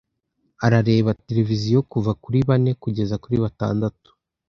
Arareba televiziyo kuva kuri bane kugeza kuri batandatu.